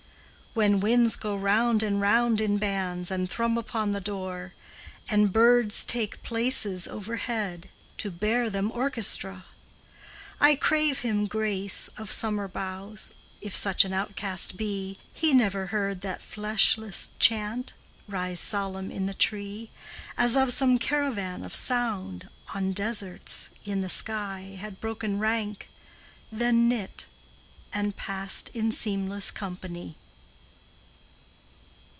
When winds go round and round in bands, And thrum upon the door, And birds take places overhead, To bear them orchestra, I crave him grace, of summer boughs, If such an outcast be, He never heard that fleshless chant Rise solemn in the tree, As if some caravan of sound On deserts, in the sky, Had broken rank, Then knit, and passed In seamless company.